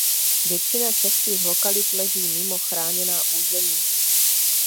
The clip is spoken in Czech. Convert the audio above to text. Většina českých lokalit leží mimo chráněná území.